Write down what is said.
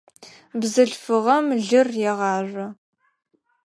Бзылъфыгъэм лыр егъажъо.